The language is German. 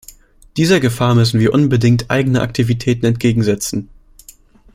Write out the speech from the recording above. Dieser Gefahr müssen wir unbedingt eigene Aktivitäten entgegensetzen.